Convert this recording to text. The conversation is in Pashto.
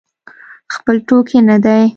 خپل ټوکي نه دی.